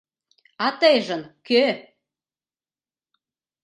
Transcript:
— А тыйжын кӧ?